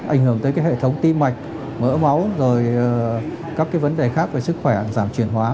ảnh hưởng tới cái hệ thống tim mạch mỡ máu rồi các cái vấn đề khác về sức khỏe giảm chuyển hóa